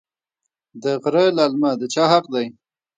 د غره للمه د چا حق دی؟